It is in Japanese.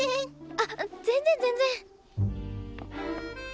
あ全然全然。